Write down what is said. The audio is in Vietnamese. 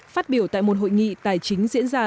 phát biểu tại một hội nghị tài chính diễn ra